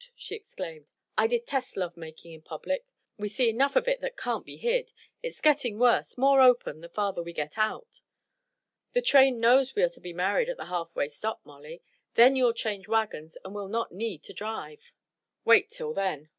she exclaimed. "I detest love making in public. We see enough of it that can't be hid. It's getting worse, more open, the farther we get out." "The train knows we are to be married at the halfway stop, Molly. Then you'll change wagons and will not need to drive." "Wait till then."